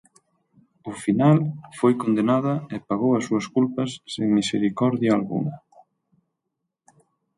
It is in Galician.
O final foi condenada e pagou as súas culpas sen misericordia algunha.